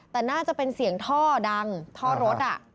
แต่น่าจะเป็นเสียงท่อดังท่อรถ